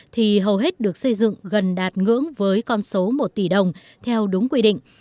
thì hầu hết được xây dựng gần đạt ngưỡng với con số một tỷ đồng theo đúng quy định